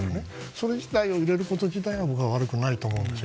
それを入れること自体は僕は悪くないと思うんです。